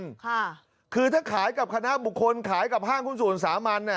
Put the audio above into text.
ค่ะคือถ้าขายกับคณะบุคคลขายกับห้างหุ้นส่วนสามัญน่ะ